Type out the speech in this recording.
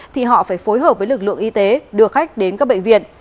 thì họ phải phối hợp với lực lượng y tế đưa khách đến các bệnh viện